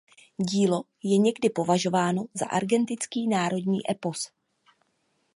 Dílo je někdy považováno za argentinský národní epos.